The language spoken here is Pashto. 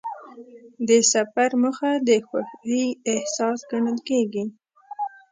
د سفر موخه د خوښۍ احساس ګڼل کېږي.